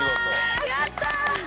やった！